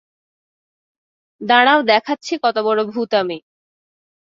দাঁড়াও দেখাচ্ছি কত বড় ভুত আমি!